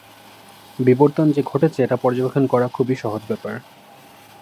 বিবর্তন যে ঘটছে এটা পর্যবেক্ষণ করা খুবই সহজ ব্যাপার।